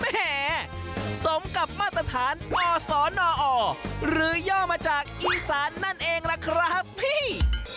แหมสมกับมาตรฐานอศนอหรือย่อมาจากอีสานนั่นเองล่ะครับพี่